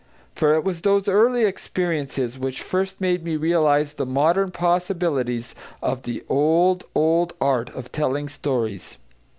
For it was those early experiences which first made me realise the modern possibilities of the old, old art of telling stories.